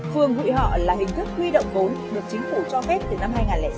phường hụi họ là hình thức quy động vốn được chính phủ cho phép từ năm hai nghìn sáu